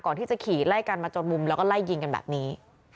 ก่อนที่จะขี่ไล่กันมาจนมุมแล้วก็ไล่ยิงกันแบบนี้